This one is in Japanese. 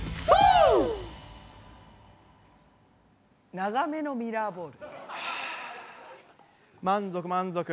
長めのミラーボール。